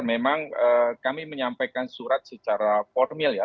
memang kami menyampaikan surat secara formil ya